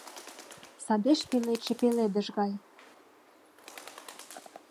Садеш пеледше пеледыш гай.